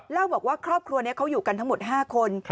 เล่าบอกว่าครอบครัวนี้เขาอยู่กันทั้งหมด๕คน